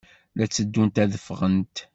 La tteddunt ad ffɣent?